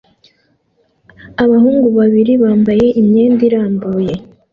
Abahungu babiri bambaye imyenda irambuye